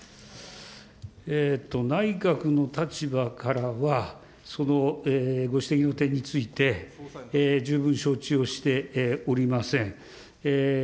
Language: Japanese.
内閣の立場からは、そのご指摘の点について、十分承知をしておりません。